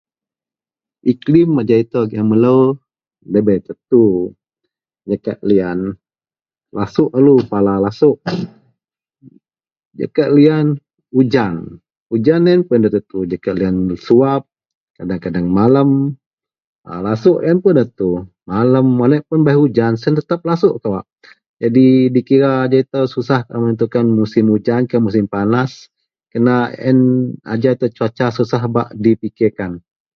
Iklim ajau ito gian melo debei tentu jakak liyan lasuok lalu pala lasouk jakak liyan ujan ujan iyen puon da tentu jakak liyan suwab kadeng-kadeng malem lasouk iyen puon tentu malem aniek puon beh ujan siyen tetep lasouk kawak jadi dikira ajau ito susah kaau musim ujankah musim panas kah ajau cuaca susah untuk dipikirkan.